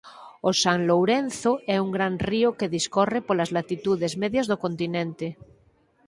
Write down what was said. O San Lourenzo é un gran río que discorre polas latitudes medias do continente.